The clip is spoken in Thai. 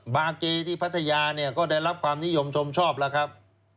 บาร์เกที่พัทยาเนี่ยก็ได้รับความนิยมชมชอบแล้วครับ